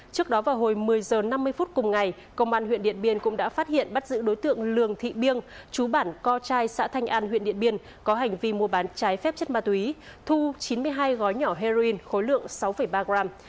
trước đó vào hồi một mươi h năm mươi phút cùng ngày công an huyện điện biên cũng đã phát hiện bắt giữ đối tượng lường thị biên chú bản co trai xã thanh an huyện điện biên có hành vi mua bán trái phép chất ma túy thu chín mươi hai gói nhỏ heroin khối lượng sáu ba gram